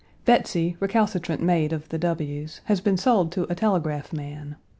Betsey, recalcitrant maid of the W.'s, has been sold to a telegraph man.